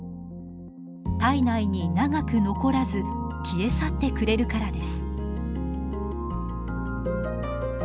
体内に長く残らず消え去ってくれるからです。